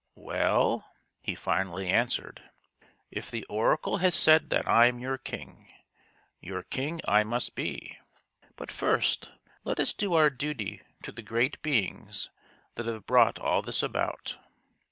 " Well," he finally answered, " if the oracle has said that I am your king, your king I must be. But first, let us do our duty to the great beings that have brought all this about."